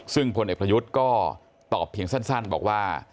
ซึ่งพลเอกประยุทธ์ก็ตอบเพียงสั้นบอกว่า